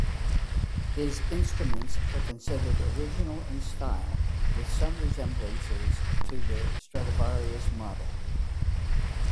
His instruments are considered original in style with some resemblances to the Stradivarius model.